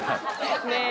ねえ